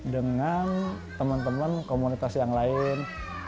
dengan teman teman komunitas yang lain